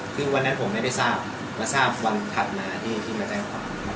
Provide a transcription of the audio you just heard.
คือวันนั้นผมไม่ได้ทราบแล้วทราบวันถัดมาที่พี่มาแจ้งขอ